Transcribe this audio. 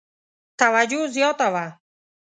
توجه زیاته وه.